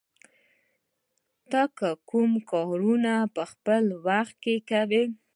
ته کوم کارونه په خپل وخت کې کوې؟